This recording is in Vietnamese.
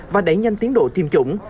và đẩy nhanh tiến độ tiêm chủng